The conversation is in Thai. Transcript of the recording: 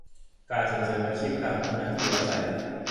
การส่งเสริมอาชีพ การพัฒนาที่อยู่อาศัย